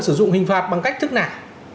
sử dụng hình phạt bằng cách thức nào